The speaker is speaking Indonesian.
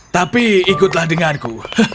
tapi ikutlah denganku